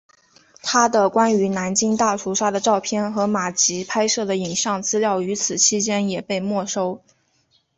他的关于南京大屠杀的照片和马吉拍摄的影像资料与此期间也被没收。